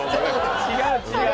違う違う！